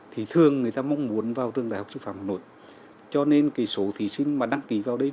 thì thường người ta mong muốn vào trường